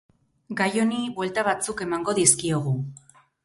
Gai honi buelta batzuk emango dizkiogu.